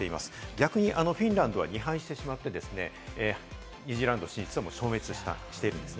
逆にフィンランドは２敗してしまって、２次ラウンド進出は消滅しているんです。